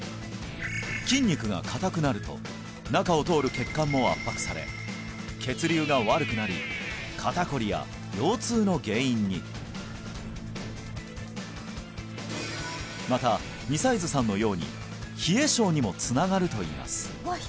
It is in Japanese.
筋肉が硬くなると中を通る血管も圧迫され血流が悪くなり肩こりや腰痛の原因にまた美細津さんのように冷え症にもつながるといいます